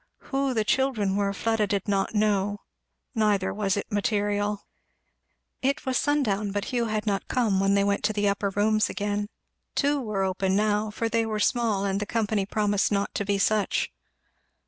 Who "the children" were Fleda did not know, neither was it material. It was sundown, but Hugh had not come when they went to the upper rooms again. Two were open now, for they were small and the company promised not to be such.